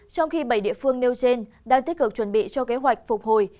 trong khi bảy địa phương nêu trên đang tích cực chuẩn bị cho kế hoạch phục hồi